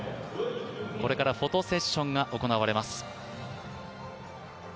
これからフォトセッションが行われます。